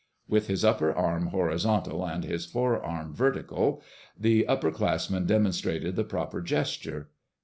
With his upper arm horizontal and his forearm vertical, the upperclassman demonstrated the proper gesture.